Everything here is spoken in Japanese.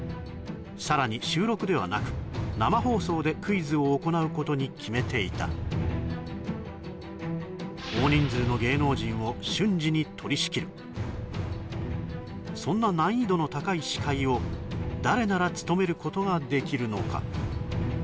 さらに収録ではなく生放送でクイズを行うことに決めていた大人数の芸能人を瞬時に取り仕切るそんな難易度の高い司会を誰なら務めることができるのか？